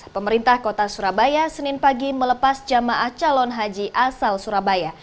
pemerintah kota surabaya senin pagi melepas jamaah calon haji asal surabaya